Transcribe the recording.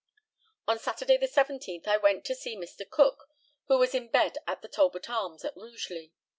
On Saturday, the 17th, I went to see Mr. Cook, who was in bed at the Talbot Arms, at Rugeley.